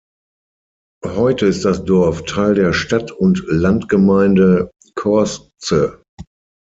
Heute ist das Dorf Teil der Stadt- und Landgemeinde Korsze.